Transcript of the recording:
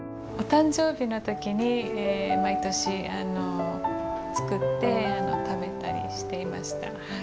お誕生日の時に毎年作って食べたりしていました。